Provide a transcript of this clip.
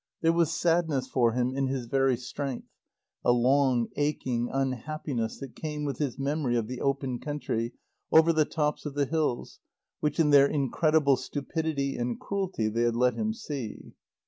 There was sadness for him in his very strength. A long, aching unhappiness that came with his memory of the open country over the tops of the hills, which, in their incredible stupidity and cruelty, they had let him see.